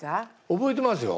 覚えてますよ。